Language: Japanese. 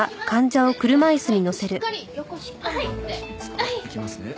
いきますね。